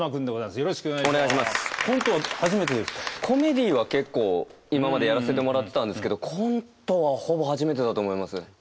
コメディーは結構今までやらせてもらってたんですけどコントはほぼ初めてだと思います。